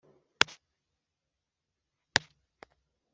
Ni cyo gituma dukomera umutima iteka